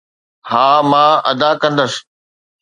ها، مان ادا ڪندس.